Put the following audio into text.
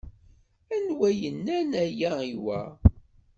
Anwa yenna-n aya i wa?